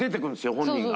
本人が。